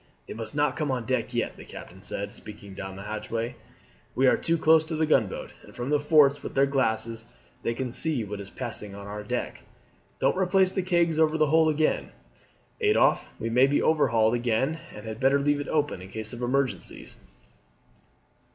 "They must not come on deck yet," the captain said, speaking down the hatchway. "We are too close to the gunboat, and from the forts with their glasses they can see what is passing on our deck. Don't replace the kegs over the hole again, Adolphe; we may be overhauled again, and had better leave it open in case of emergencies."